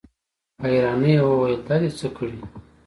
په حيرانۍ يې وويل: دا دې څه کړي؟